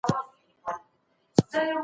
هیڅ قوم یا ملت د برتري غوښتني، تعصب یا له